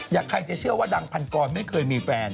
ใครจะเชื่อว่าดังพันกรไม่เคยมีแฟน